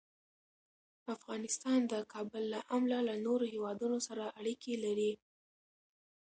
افغانستان د کابل له امله له نورو هېوادونو سره اړیکې لري.